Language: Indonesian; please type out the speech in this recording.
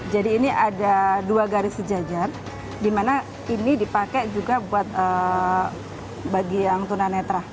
jadi ini ada dua garis sejajar dimana ini dipakai juga buat bagian tunanetra